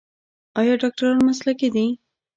آیا ډاکټران مسلکي دي؟